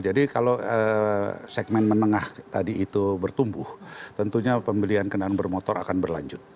jadi kalau segmen menengah tadi itu bertumbuh tentunya pembelian kendaraan bermotor akan berlanjut